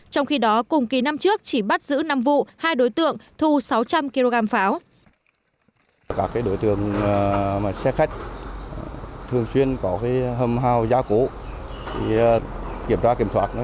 trong khi đó cùng kỳ năm trước chỉ bắt giữ năm vụ hai đối tượng thu sáu trăm linh kg pháo